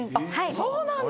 そうなんだ。